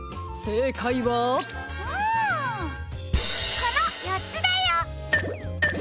このよっつだよ！